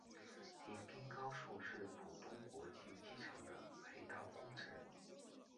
迎宾高速是浦东国际机场的配套工程。